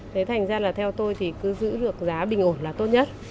thế thành ra là theo tôi thì cứ giữ được giá bình ổn là tốt nhất